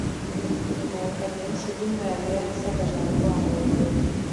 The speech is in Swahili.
Inayokamilisha jumla ya wilaya saba za mkoa wa Morogoro